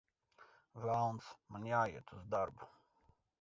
Velns, man jāiet uz darbu!